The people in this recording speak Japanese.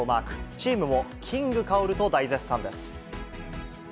チームもキングカオルと大絶賛です。